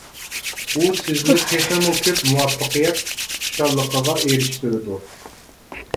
ئۇ سىزنى تېخىمۇ كۆپ مۇۋەپپەقىيەت خۇشاللىقىغا ئېرىشتۈرىدۇ.